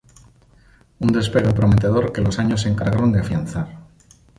Un despegue prometedor que los años se encargaron de afianzar.